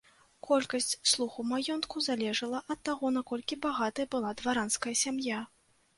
Колькасць слуг у маёнтку залежала ад таго, наколькі багатай была дваранская сям'я.